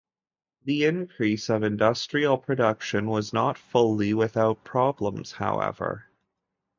The increase of industrial production was not fully without problems, however.